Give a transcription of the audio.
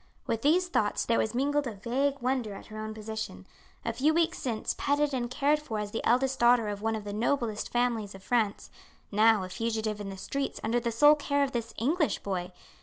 With these thoughts there was mingled a vague wonder at her own position. A few weeks since petted and cared for as the eldest daughter of one of the noblest families of France, now a fugitive in the streets under the sole care of this English boy.